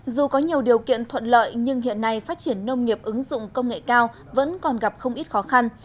dù có nhiều điều kiện thuận lợi nhưng hiện nay phát triển nông nghiệp ứng dụng công nghệ cao vẫn còn gặp không ít khó khăn